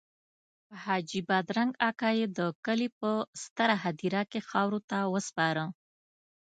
حاجي بادرنګ اکا یې د کلي په ستره هدیره کې خاورو ته وسپاره.